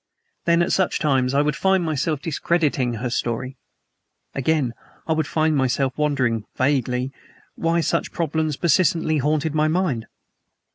Then, at such times, I would find myself discrediting her story. Again, I would find myself wondering, vaguely, why such problems persistently haunted my mind.